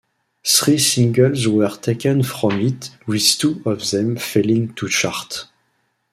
Three singles were taken from it with two of them failing to chart.